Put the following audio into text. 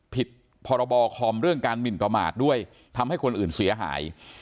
ผิดพรบคอมเรื่องการหมินประมาทด้วยทำให้คนอื่นเสียหาย